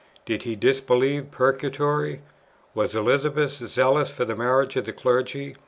did he disbelieve Purgatory? Was Elizabeth zealous for the marriage of the Clergy?